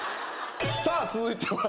さあ続いては。